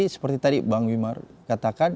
seperti tadi bang wimar katakan